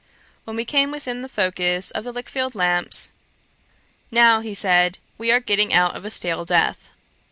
When we came within the focus of the Lichfield lamps, 'Now (said he,) we are getting out of a state of death.'